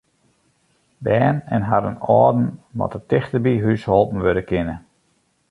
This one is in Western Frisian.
Bern en harren âlden moatte tichteby hús holpen wurde kinne.